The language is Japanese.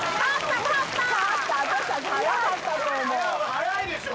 早いでしょ？